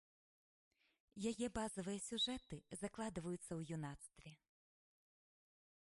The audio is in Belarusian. Яе базавыя сюжэты закладваюцца ў юнацтве.